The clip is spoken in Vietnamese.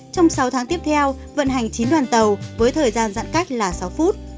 trong sáu tháng tiếp theo vận hành chín đoàn tàu với thời gian giãn cách là sáu phút